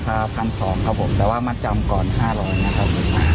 ก็ในราคา๑๒๐๐ครับผมแต่ว่ามะจำก่อน๕๐๐นะครับ